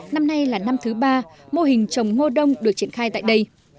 năm nay là năm thứ ba mô hình trồng ngô đông được triển khai tại đây